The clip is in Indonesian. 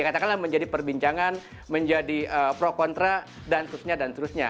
katakanlah menjadi perbincangan menjadi pro kontra dan seterusnya dan seterusnya